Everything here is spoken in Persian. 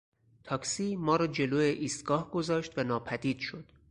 تاکسی ما را جلو ایستگاه گذاشت و ناپدید شد.